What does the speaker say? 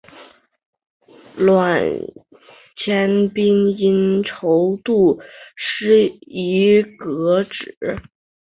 阮廷宾因筹度失宜革职。